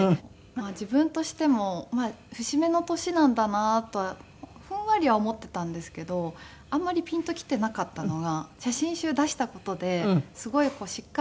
自分としても節目の年なんだなとはふんわりは思っていたんですけどあんまりピンときていなかったのが写真集出した事ですごいこうしっかり。